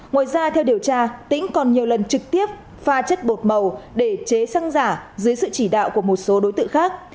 ngoài ra theo điều tra tĩnh còn nhiều lần trực tiếp pha chất bột màu để chế xăng giả dưới sự chỉ đạo của một số đối tượng khác